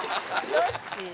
どっち？